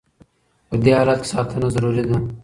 په دې حالت کې ساتنه ضروري ده.